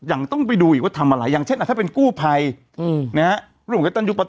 ยังต้องไปดูอีกว่าทำอะไรอย่างเช่นถ้าเป็นกู้ภัยนะฮะ